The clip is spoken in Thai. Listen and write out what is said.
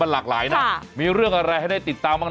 หลากหลายนะมีเรื่องอะไรให้ได้ติดตามบ้าง